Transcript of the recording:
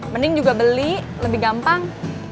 mending juga beli lebih gampang